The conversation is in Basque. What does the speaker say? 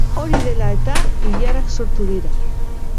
Hori dela eta, ilarak sortu dira.